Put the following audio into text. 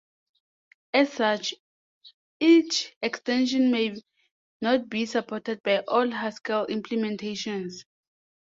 As such, each extension may not be supported by all Haskell implementations.